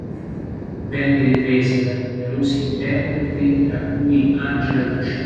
Venne ripresa da numerosi interpreti tra cui Angela Luce.